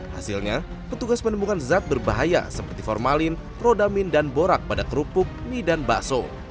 hasilnya petugas menemukan zat berbahaya seperti formalin rodamin dan borak pada kerupuk mie dan bakso